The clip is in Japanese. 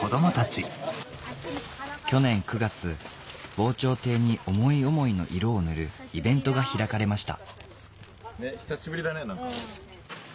・去年９月防潮堤に思い思いの色を塗るイベントが開かれました